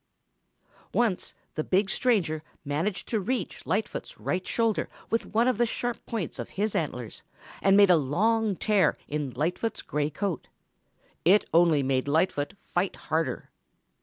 Once the big stranger managed to reach Lightfoot's right shoulder with one of the sharp points of his antlers and made a long tear in Lightfoot's gray coat. It only made Lightfoot fight harder.